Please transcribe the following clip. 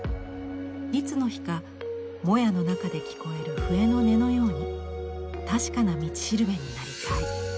いつの日かもやの中で聞こえる笛の音のように確かな道しるべになりたい。